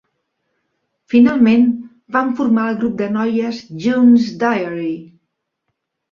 Finalment van formar el grup de noies June's Diary.